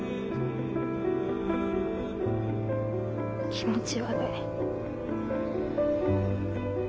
気持ち悪い。